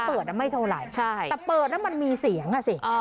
ไอ้เปิดน่ะไม่เท่าไรใช่แต่เปิดน่ะมันมีเสียงอ่ะสิอ่า